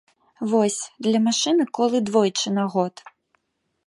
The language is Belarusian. Вось, для машыны колы двойчы на год.